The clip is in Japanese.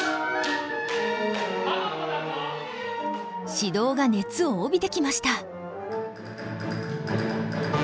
指導が熱を帯びてきました。